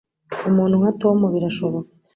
Umuntu nka Tom birashoboka